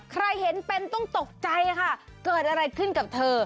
ใครเห็นเป็นต้องตกใจค่ะเกิดอะไรขึ้นกับเธอ